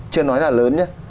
chưa nói là lớn nhé